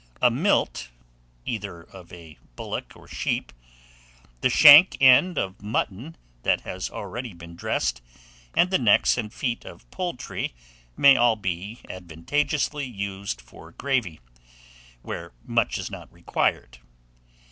A milt (either of a bullock or sheep), the shank end of mutton that has already been dressed, and the necks and feet of poultry, may all be advantageously used for gravy, where much is not required.